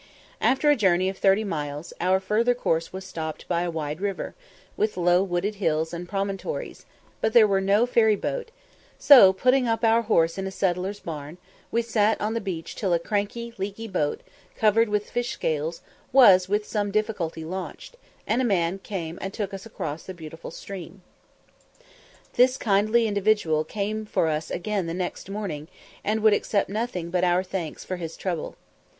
After a journey of thirty miles our further course was stopped by a wide river, with low wooded hills and promontories, but there was no ferry boat, so, putting up our horse in a settler's barn, we sat on the beach till a cranky, leaky boat, covered with fish scales, was with some difficulty launched, and a man took us across the beautiful stream. This kindly individual came for us again the next morning, and would accept nothing but our thanks for his trouble.